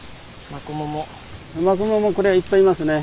マコモもこれはいっぱいいますね。